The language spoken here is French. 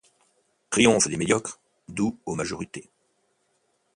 Triomphe des médiocres, doux aux majorités.